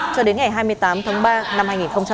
cho đến ngày hai mươi tám tháng ba năm hai nghìn một mươi tám